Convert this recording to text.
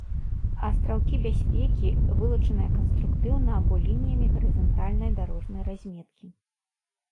Астраўкі бяспекі, вылучаныя канструктыўна або лініямі гарызантальнай дарожнай разметкі